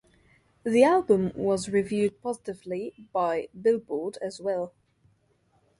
The album was reviewed positively by "Billboard" as well.